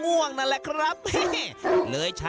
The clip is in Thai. วิธีแบบไหนไปดูกันเล็ก